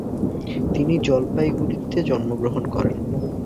তিনি জলপাইগুড়িতে জন্মগ্রহণ করেন।